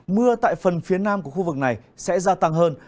mưa tại phần phía nam của khu vực này sẽ gia tăng hơn